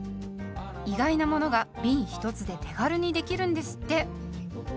意外なものがびん１つで手軽にできるんですって。